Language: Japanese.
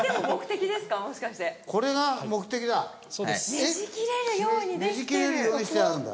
ねじ切れるようにできてる！